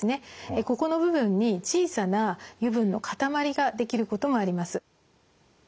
ここの部分に小さな油分の塊が出来ることもあります。